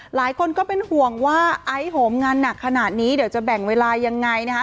หลายคนก็เป็นห่วงว่าไอ้โหมงานหนักขนาดนี้เดี๋ยวจะแบ่งเวลายังไงนะคะ